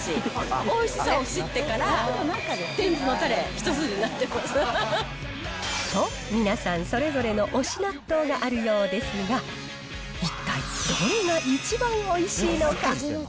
おいしさを知ってから、添付のたと、皆さんそれぞれの推し納豆があるようですが、一体どれが一番おいしいのか。